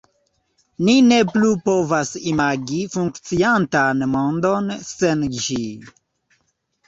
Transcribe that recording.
Ni ne plu povas imagi funkciantan mondon sen ĝi.